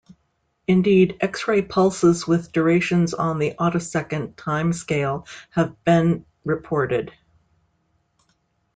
Indeed, x-ray pulses with durations on the attosecond time scale have been reported.